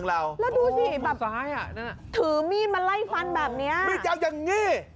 นั่นมีนักเรียนผู้หญิง